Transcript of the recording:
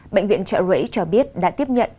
bệnh viện trợ rễ cho biết đã tiếp nhận